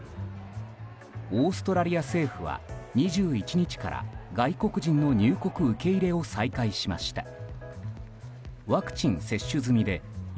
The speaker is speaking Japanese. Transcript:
オーストラリア政府は２１日から外国人の入国受け入れを再開しました。